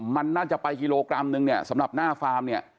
มันน่าจะไปกิโลกรัมนึงเนี่ยสำหรับหน้าฟาร์มเนี่ย